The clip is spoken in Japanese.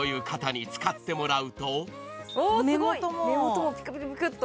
目元のピクピクピクっと。